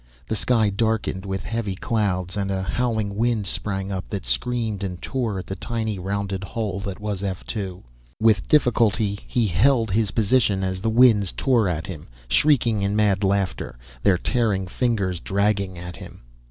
The sky darkened with heavy clouds, and a howling wind sprang up that screamed and tore at the tiny rounded hull that was F 2. With difficulty he held his position as the winds tore at him, shrieking in mad laughter, their tearing fingers dragging at him.